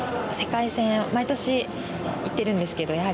世界戦毎年行ってるんですけど。